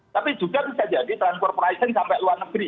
tapi juga bisa jadi transfer pricing sampai luar negeri